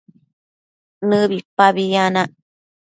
nëbipabi yanac